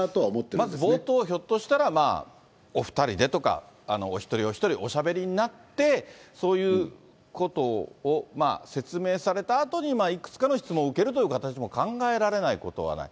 まず冒頭、ひょっとしたらお２人でとか、お一人お一人おしゃべりになって、そういうことを説明されたあとに、いくつかの質問を受けるという形も考えられないことはない。